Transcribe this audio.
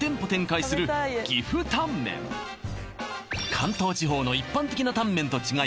関東地方の一般的なタンメンと違い